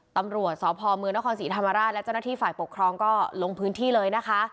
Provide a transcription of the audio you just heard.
ตำรวจสพมนครศรีธรรมราชและเจ้าหน้าที่ฝ่ายปกครองก็ลงพื้นที่เลยนะคะ